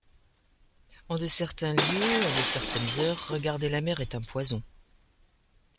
En de certains lieux, à de certaines heures, regarder la mer est un poison.